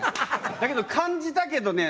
だけど感じたけどね